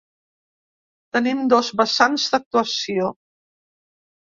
Tenim dos vessants d’actuació.